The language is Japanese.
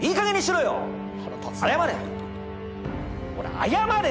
謝れ。